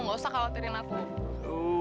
nggak usah khawatirin aku